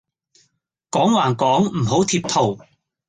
講還講唔好貼圖